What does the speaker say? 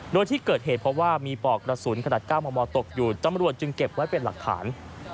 โดยที่เกิดเหตุเพราะว่ามีปอกกระสุนขนาด๙มมตกอยู่ตำรวจจึงเก็บไว้เป็นหลักฐาน